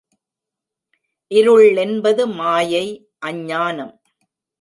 இருள் என்பது மாயை, அஞ்ஞானம்.